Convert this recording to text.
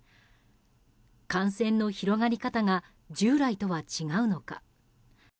感染の広がり方が従来とは違うのか。